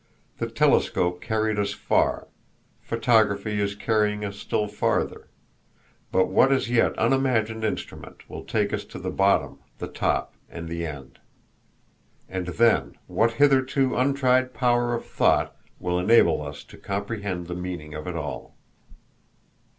The telescope carried us far, photography is carrying us still farther; but what as yet unimagined instrument will take us to the bottom, the top, and the end? And then, what hitherto untried power of thought will enable us to comprehend the meaning of it all?